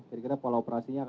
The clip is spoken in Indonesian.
kira kira pola operasinya